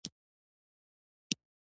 هره ورځ دعوې جنجالونه او چیغې وي.